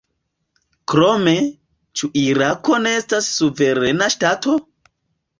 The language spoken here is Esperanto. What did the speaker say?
Krome: ĉu Irako ne estas suverena ŝtato?